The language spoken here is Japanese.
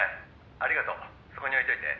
ありがとうそこに置いといて」